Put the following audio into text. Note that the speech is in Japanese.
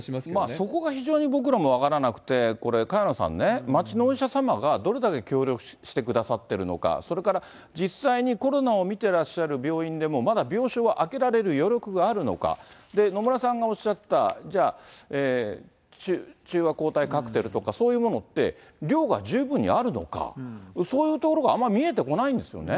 そこが非常に僕らも分からなくて、これ、萱野さんね、街のお医者様がどれだけ協力してくださってるのか、それから実際にコロナを見てらっしゃる病院でも、まだ病床は空けられる余力があるのか、野村さんがおっしゃった、じゃあ、中和抗体カクテルとか、そういうものって、量が十分にあるのか、そういうところがあまり見えてこないんですよね。